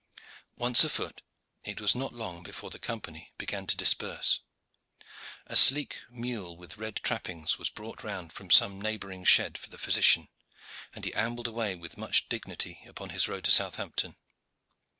Once afoot, it was not long before the company began to disperse. A sleek mule with red trappings was brought round from some neighboring shed for the physician, and he ambled away with much dignity upon his road to Southampton.